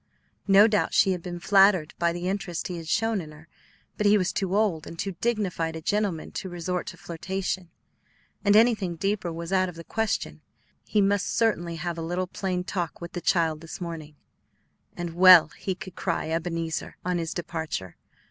No doubt she had been flattered by the interest he had shown in her; but he was too old and too dignified a gentleman to resort to flirtation, and anything deeper was out of the question. He must certainly have a little plain talk with the child this morning, and, well, he could cry "Ebenezer!" on his departure.